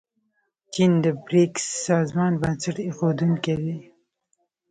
چین د بریکس سازمان بنسټ ایښودونکی دی.